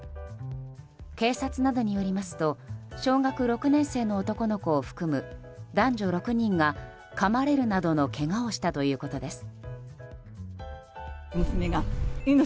警察などによりますと小学６年生の男の子を含む男女６人がかまれるなどのけがをしたということです。